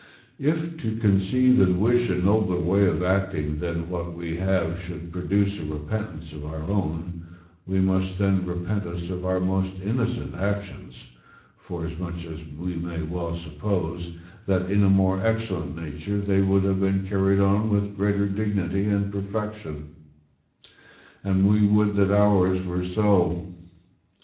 If to conceive and wish a nobler way of acting than that we have should produce a repentance of our own, we must then repent us of our most innocent actions, forasmuch as we may well suppose that in a more excellent nature they would have been carried on with greater dignity and perfection; and we would that ours were so.